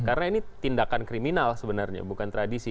karena ini tindakan kriminal sebenarnya bukan tradisi